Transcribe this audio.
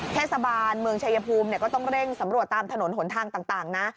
เทศบาลเมืองชายภูมิก็ต้องเร่งสำรวจตามถนนหนทางต่างนะ